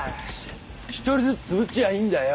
一人ずつつぶしゃいいんだよ。